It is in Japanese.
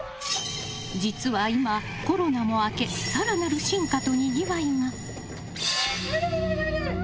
実は今、コロナも明け更なる進化とにぎわいが。